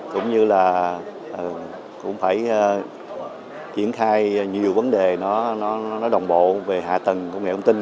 cũng như là cũng phải triển khai nhiều vấn đề nó đồng bộ về hạ tầng công nghệ thông tin